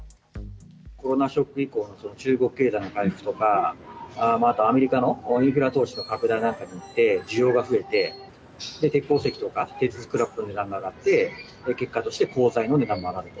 コロナショック以降の中国経済の回復とか、またアメリカのインフラ投資の拡大などによって、需要が増えて、鉄鉱石とか鉄スクラップの値段が上がって、結果として鋼材の値段も上がると。